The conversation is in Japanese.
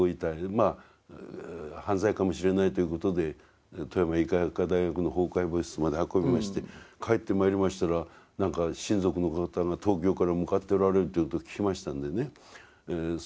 まあ犯罪かもしれないということで富山医科薬科大学の法解剖室まで運びまして帰ってまいりましたら何か親族の方が東京から向かっておられるということを聞きましたんでね